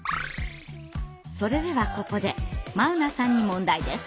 それではここで眞生さんに問題です。